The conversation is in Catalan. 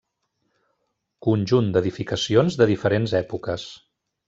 Conjunt d'edificacions de diferents èpoques.